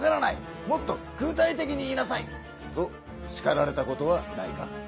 もっと具体的に言いなさい」としかられたことはないか？